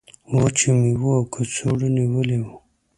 وچو میوو او کڅوړو نیولی و.